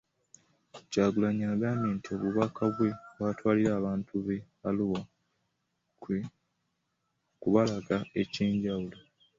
Kyagulanyi agambye nti obubaka bwe batwalira abantu ba Arua kwe kubalaga ekyenjawulo.